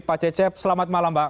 pak cecep selamat malam mbak